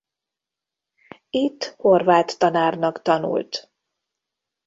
Itt horvát tanárnak tanult.